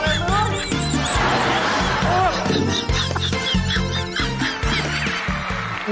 โอ้โฮพ่อแห่งลืม